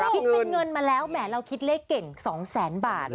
คิดเป็นเงินมาแล้วแหมเราคิดเลขเก่ง๒แสนบาท